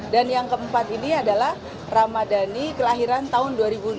dan yang keempat ini adalah ramadhani kelahiran tahun dua ribu dua puluh